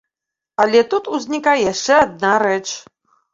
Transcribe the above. Але тут узнікае яшчэ адна рэч.